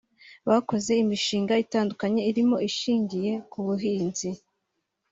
Bakoze imishinga itandukanye irimo ishingiye ku buhinzi